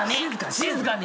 静かに！